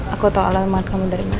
aku tau alamat kamu dari mana